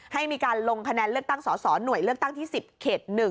ให้มีการลงคะแนนเลือกตั้งสอสอหน่วยเลือกตั้งที่๑๐เขต๑